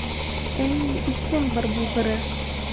Эй, иҫең бар булғыры!..